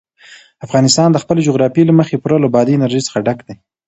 افغانستان د خپلې جغرافیې له مخې پوره له بادي انرژي څخه ډک دی.